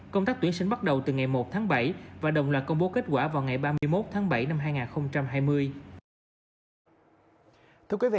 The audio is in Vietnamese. công tác tuyển sinh bắt đầu từ ngày một tháng bảy và đồng loạt công bố kết quả vào ngày ba mươi một tháng bảy năm hai nghìn hai mươi